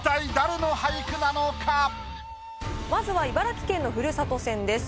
まずは茨城県のふるさと戦です。